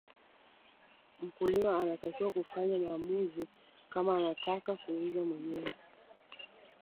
Mkulima anatakiwa kufanya maamuzi kama atataka kuuza mwenyewe